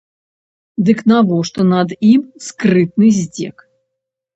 Дык навошта над ім скрытны здзек?